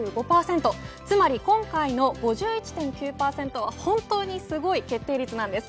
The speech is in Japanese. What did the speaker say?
つまり今回の５１．９％は本当にすごい決定率なんです。